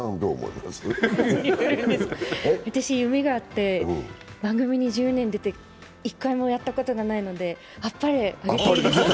私、夢があって、番組に１０年出て、一回もやったことないのであっぱれ、あげていいですか。